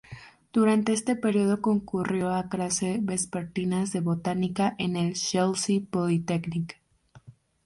Durante este periodo concurrió a clases vespertinas de Botánica en el "Chelsea Polytechnic".